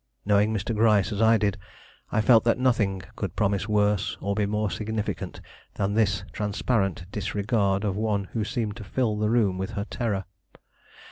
Knowing Mr. Gryce as I did, I felt that nothing could promise worse, or be more significant, than this transparent disregard of one who seemed to fill the room with her terror.